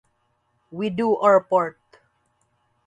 We Do Our Part.